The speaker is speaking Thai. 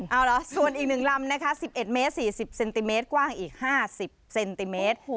เอาเหรอส่วนอีก๑ลำนะคะ๑๑เมตร๔๐เซนติเมตรกว้างอีก๕๐เซนติเมตร